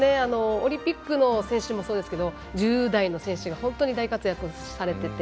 オリンピックの選手もそうですけど１０代の選手が大活躍されていて。